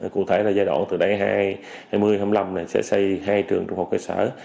cụ thể là giai đoạn từ đầy hai nghìn hai mươi hai nghìn hai mươi năm này sẽ xây hai trường trung học cơ sở